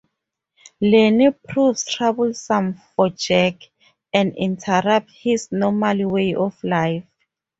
Lenny proves troublesome for Jake, and interrupts his normal way of life.